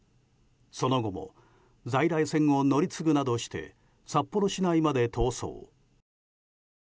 その後も在来線を乗り継ぐなどして札幌市内まで逃走。